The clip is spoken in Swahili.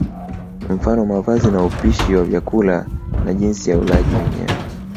Mfano mavazi na upishi wa vyakula na jinsi ya ulaji wenyewe